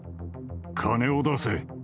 金を出せ。